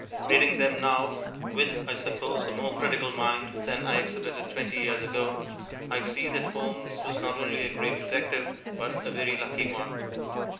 Reading them now with, I suppose, a more critical mind than I exhibited twenty years ago I see that Holmes was not only a great detective, but a very lucky one.